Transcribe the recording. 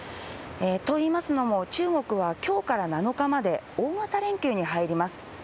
といいますのも、中国はきょうから７日まで大型連休に入ります。